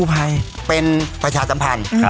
พ่มโผออกมาจากฉาก